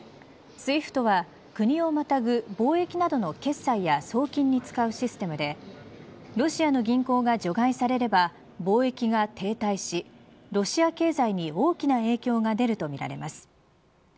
ＳＷＩＦＴは、国をまたぐ貿易などの決済や送金に使うシステムでロシアの銀行が除外されれば貿易が停滞しロシア経済に大きな影響が出るとみられます。